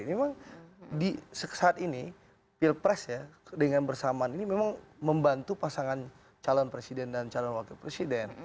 memang saat ini pilpres ya dengan bersamaan ini memang membantu pasangan calon presiden dan calon wakil presiden